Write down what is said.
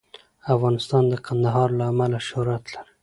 افغانستان د کندهار له امله شهرت لري.